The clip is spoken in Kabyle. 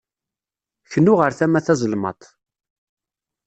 Knu ɣer tama tazelmaḍt.